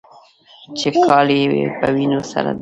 چې کالي يې په وينو سره دي.